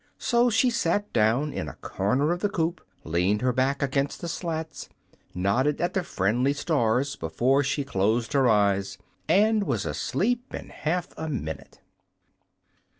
So she sat down in a corner of the coop, leaned her back against the slats, nodded at the friendly stars before she closed her eyes, and was asleep in half a minute.